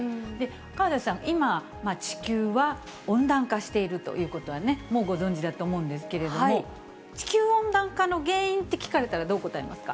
河出さん、今、地球は温暖化しているということはね、もうご存じだと思うんですけれども、地球温暖化の原因って聞かれたらどう答えますか？